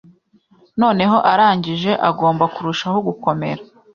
Noneho arangije, agomba kurushaho gukomera.